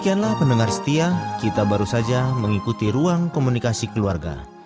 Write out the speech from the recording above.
demikianlah pendengar setia kita baru saja mengikuti ruang komunikasi keluarga